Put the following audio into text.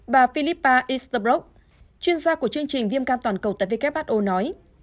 bà philippa isterbrok chuyên gia của chương trình viêm gan toàn cầu tại who nói